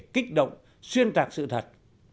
kích động xuyên tạc sự thật